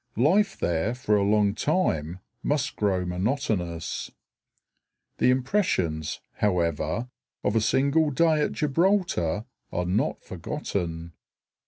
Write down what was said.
Life there for a long time must grow monotonous. The impressions, however, of a single day at Gibraltar are not forgotten.